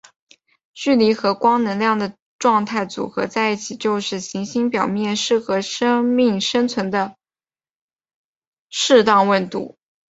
距离和光能量的状态组合在一起就是行星表面适合生命生存的适当温度。